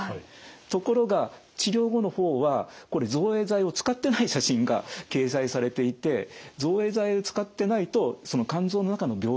ところが治療後の方はこれ造影剤を使ってない写真が掲載されていて造影剤を使ってないとその肝臓の中の病変っていうのは非常に見えにくい。